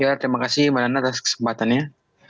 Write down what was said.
ya terima kasih mbak nana atas kesempatannya